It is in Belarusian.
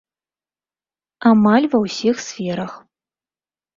Амаль ва ўсіх сферах.